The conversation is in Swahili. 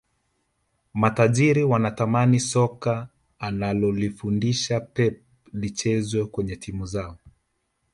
matajiri wanatamani soka analolifundisha pep lichezwe kwenye timu zao